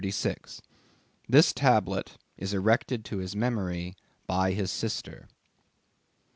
THIS TABLET Is erected to his Memory BY HIS SISTER.